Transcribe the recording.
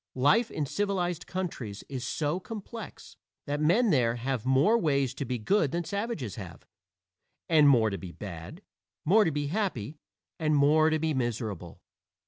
Life in civilized countries is so complex that men there have more ways to be good than savages have, and more to be bad; more to be happy, and more to be miserable.